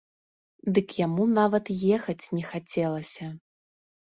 Дык яму нават ехаць не хацелася.